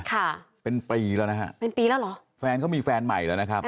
ค่ะเป็นปีแล้วนะฮะเป็นปีแล้วเหรอแฟนเขามีแฟนใหม่แล้วนะครับ